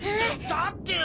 だってよ。